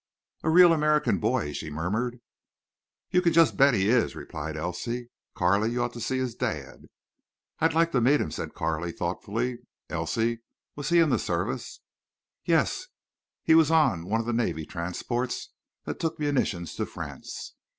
"A real American boy!" she murmured. "You can just bet he is," replied Elsie. "Carley, you ought to see his dad." "I'd like to meet him," said Carley, thoughtfully. "Elsie, was he in the service?" "Yes. He was on one of the navy transports that took munitions to France.